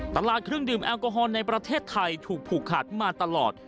ตลาดเครื่องดื่มแอลกอฮอลในประเทศไทยถูกผูกขาดมาตลอด